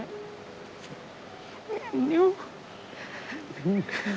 นิ้วนิ้วนี่